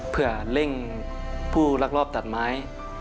เพื่อเร่งผู้รักรอบตัดไม้